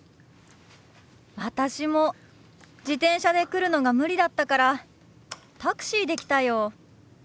私も自転車で来るのが無理だったからタクシーで来たよ。